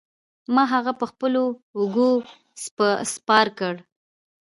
ما هغه په خپلو اوږو سپار کړ.